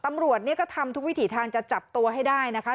ตำรวจเนี่ยก็ทำทุกวิถีทางจะจับตัวให้ได้นะคะ